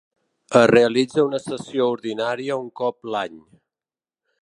Es realitza una sessió ordinària un cop l'any.